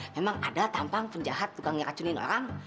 memang ada tampang penjahat tukang ngeracunin orang